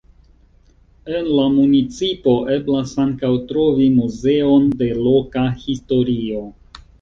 En la municipo eblas ankaŭ trovi muzeon de loka historio.